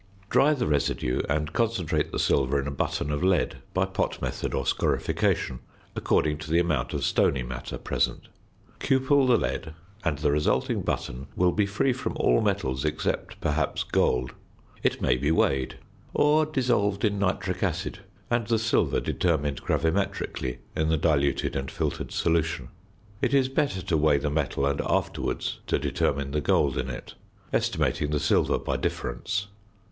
Dry the residue and concentrate the silver in a button of lead by pot method or scorification, according to the amount of stony matter present. Cupel the lead, and the resulting button will be free from all metals, except perhaps gold. It may be weighed; or dissolved in nitric acid, and the silver determined gravimetrically in the diluted and filtered solution. It is better to weigh the metal and afterwards to determine the gold in it, estimating the silver by difference.